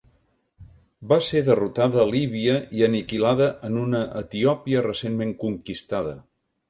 Va ser derrotada a Líbia i aniquilada en una Etiòpia recentment conquistada.